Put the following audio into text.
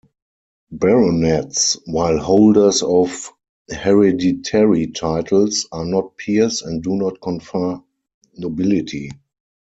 Baronets, while holders of hereditary titles, are not peers and do not confer nobility.